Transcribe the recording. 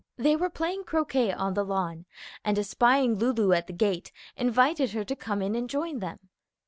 They were playing croquet on the lawn, and espying Lulu at the gate, invited her to come in and join them.